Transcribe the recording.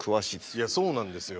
いやそうなんですよ。